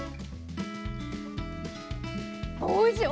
おいしい！